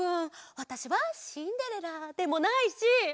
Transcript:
わたしはシンデレラでもないし！